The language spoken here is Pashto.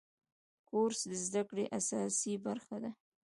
کورس د زده کړې اساسي برخه ده.